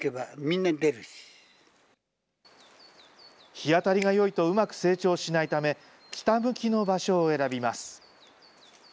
日当たりがよいとうまく成長しないため、北向きの場所を選びます。